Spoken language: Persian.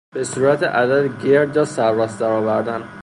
به صورت عدد گرد یا سر راست درآوردن